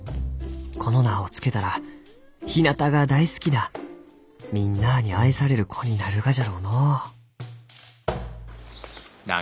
この名を付けたらひなたが大好きなみんなあに愛される子になるがじゃろうのう」。